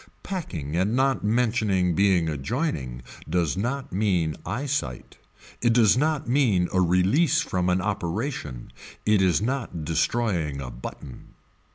Packing and not mentioning being adjoining does not mean eye sight. It does not mean a release from an operation. It is not destroying a button.